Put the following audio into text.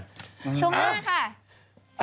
ช่วงหน้าค่ะอ้าว